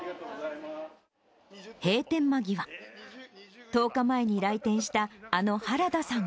閉店間際、１０日前に来店したあの原田さんが。